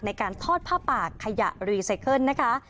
ในการทอดผ้าป่าขยะรีไซเคิลนะคะ